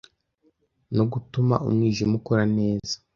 no gutuma umwijima ukora neza